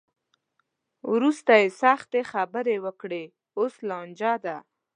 وروسته یې سختې خبرې وکړې؛ اوس لانجه ده.